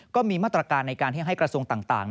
ก็มีมาตรการในการที่ให้กระทรวงต่าง